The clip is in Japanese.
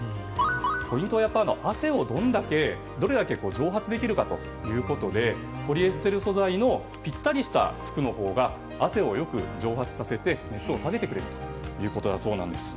ポイントは汗をどれだけ蒸発できるかということでポリエステル素材のぴったりした服のほうが汗をよく蒸発させて熱を下げてくれるということなんです。